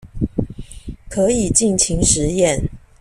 可以盡情實驗